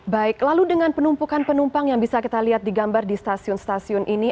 baik lalu dengan penumpukan penumpang yang bisa kita lihat di gambar di stasiun stasiun ini